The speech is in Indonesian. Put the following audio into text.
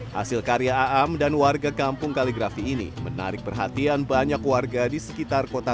hasil karya aam dan warga kampung kaligrafi ini menarik perhatian banyak warga di sekitar kota